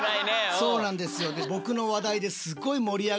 そうなんですよ。